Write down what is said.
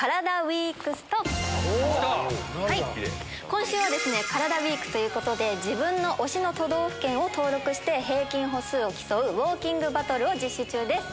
今週はですねカラダＷＥＥＫということで自分の推しの都道府県を登録して平均歩数を競うウオーキングバトルを実施中です。